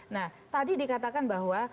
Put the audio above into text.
nah tadi dikatakan bahwa